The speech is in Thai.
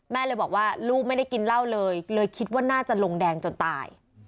เลยบอกว่าลูกไม่ได้กินเหล้าเลยเลยคิดว่าน่าจะลงแดงจนตาย